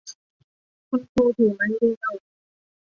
คุณครูถือไม้เรียว